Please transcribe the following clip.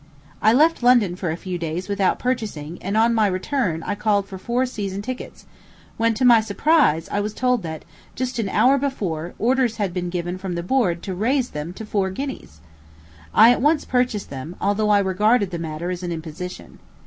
I left London for a few days without purchasing, and on my return I called for four season tickets, when, to my surprise, I was told that, just an hour before, orders had been given from the board to raise them to four guineas. I at once purchased them, although I regarded the matter as an imposition.